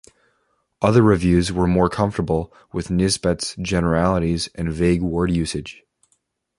Other reviews were more comfortable with Nisbett's generalities and vague word usage.